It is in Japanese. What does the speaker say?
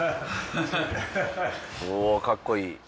おぉかっこいい。